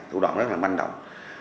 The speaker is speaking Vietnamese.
thủ đoạn rất là manh động